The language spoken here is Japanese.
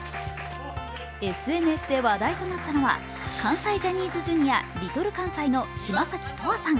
ＳＮＳで話題となったのは、関西ジャニーズＪｒ．、Ｌｉｌかんさいの嶋崎斗亜さん。